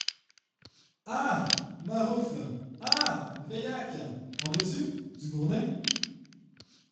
Ah ! maroufle ! ah ! veillaque ! en veux-tu, du gourdin ?